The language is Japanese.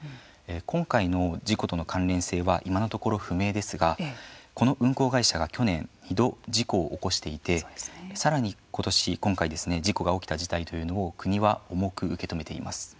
今回の事故との関連性は今のところ、不明ですがこの運航会社が去年、２度事故を起こしていてさらに、ことし、今回ですね事故が起きた事態というのを国は重く受け止めています。